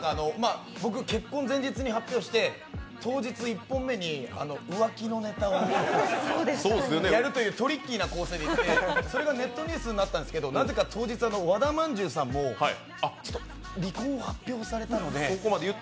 僕、結婚を前日に発表して当日１本目に浮気のネタをやるというトリッキーな構成で言ってそれがネットニュースになったんですけとなぜか当日、和田まんじゅうさんも離婚を発表されたので。